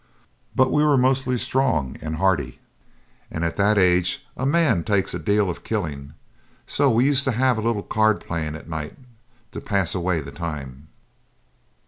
But we were mostly strong and hearty, and at that age a man takes a deal of killing; so we used to have a little card playing at night to pass away the time.